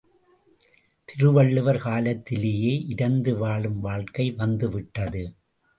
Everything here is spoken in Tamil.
திருவள்ளுவர் காலத்திலேயே இரந்து வாழும் வாழ்க்கை வந்து விட்டது.